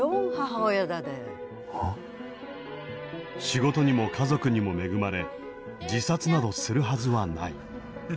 仕事にも家族にも恵まれ自殺などするはずはない。